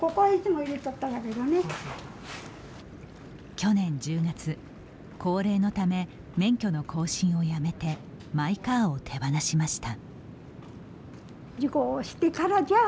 去年１０月、高齢のため免許の更新をやめてマイカーを手放しました。